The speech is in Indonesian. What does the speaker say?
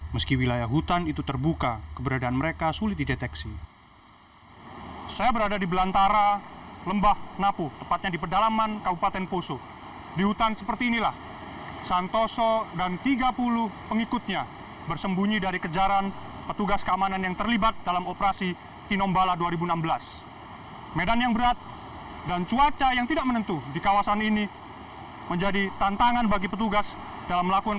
meski wilayah hutan itu terbuka keberadaan mereka sulit dideteksi